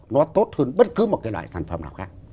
nó tốt hơn bất cứ một cái loại sản phẩm nào khác